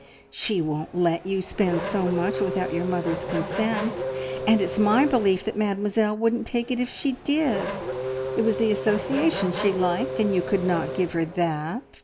"She wouldn't let you spend so much without your mother's consent, and it's my belief Mademoiselle wouldn't take it if she did. It was the association she liked, and you could not give her that.